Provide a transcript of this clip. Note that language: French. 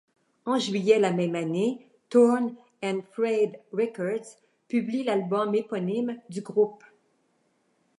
En juillet la même année, Torn and Frayed Records publie l'album éponyme du groupe.